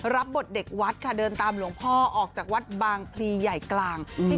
รับบทเด็กวัดค่ะเดินตามหลวงพ่อออกจากวัดบางพลีใหญ่กลางที่